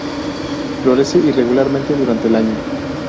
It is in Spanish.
Florece irregularmente durante el año.